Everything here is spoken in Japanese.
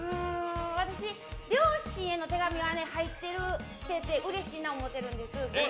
私、両親への手紙は入っててうれしいなと思ってるんです。